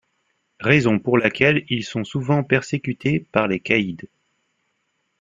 Raison pour laquelle ils sont souvent persécutés par les Caïds.